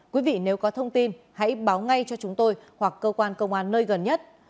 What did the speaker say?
quý vị nếu có thông tin hãy báo ngay cho chúng tôi hoặc cơ quan công an nơi gần nhất